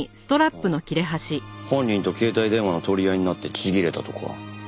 犯人と携帯電話の取り合いになってちぎれたとか。